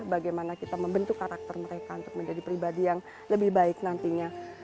bagaimana kita membentuk karakter mereka untuk menjadi pribadi yang lebih baik nantinya